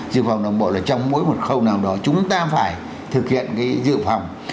dự phòng đồng bộ là trong mỗi một khâu nào đó chúng ta phải thực hiện cái dự phòng